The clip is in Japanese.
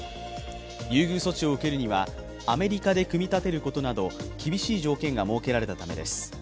優遇措置を受けるにはアメリカで組み立てることなど厳しい条件が設けられたためです。